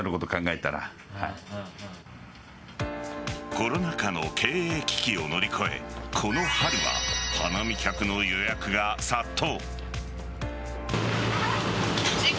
コロナ禍の経営危機を乗り越えこの春は花見客の予約が殺到。